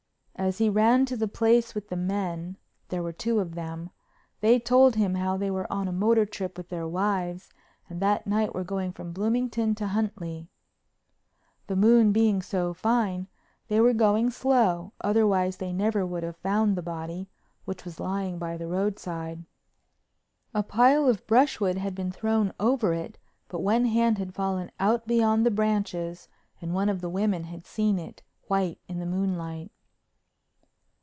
As he ran to the place with the men—there were two of them—they told him how they were on a motor trip with their wives and that night were going from Bloomington to Huntley. The moon being so fine they were going slow, otherwise they never would have found the body, which was lying by the roadside. A pile of brushwood had been thrown over it, but one hand had fallen out beyond the branches and one of the women had seen it, white in the moonlight.